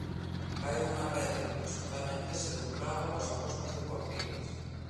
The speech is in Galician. Cae unha rede que presuntamente se lucraba coas apostas deportivas.